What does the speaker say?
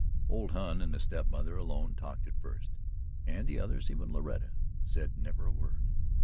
Old Hon and the step mother alone talked at first, and the others, even Loretta, said never a word.